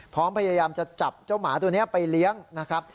พร้อมพยายามจะจับเจ้าหมาตัวนี้ไปเลี้ยงนะครับ